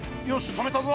とめたぞ！